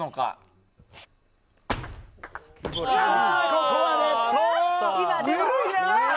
ここはネット！